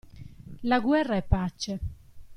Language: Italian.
La guerra è pace.